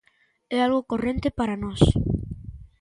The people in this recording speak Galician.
É algo corrente para nós.